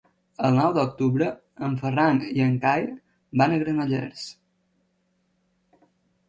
El nou d'octubre en Ferran i en Cai van a Granollers.